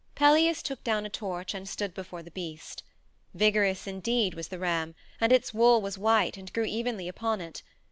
Pelias took down a torch and stood before the beast. Vigorous indeed was the ram, and its wool was white and grew evenly upon it.